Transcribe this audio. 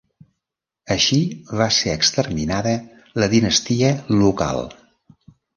Així va ser exterminada la dinastia local.